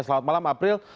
selamat malam april